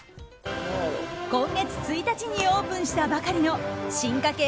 今月１日にオープンしたばかりの進化形